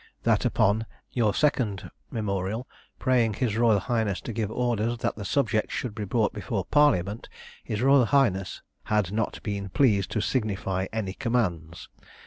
That upon your second memorial, praying his royal highness to give orders that the subject should be brought before parliament, his royal highness had not been pleased to signify any commands.